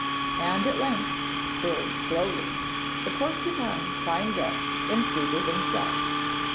And at length, very slowly, the porcupine climbed up and seated himself.